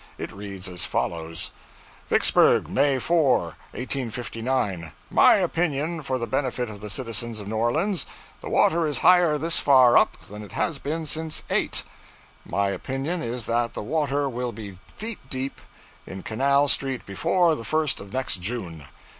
It reads as follows VICKSBURG May 4, 1859. 'My opinion for the benefit of the citizens of New Orleans: The water is higher this far up than it has been since 8. My opinion is that the water will be feet deep in Canal street before the first of next June.